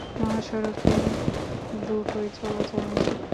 মহাসড়কে দুটোই চলাচল নিষেধ।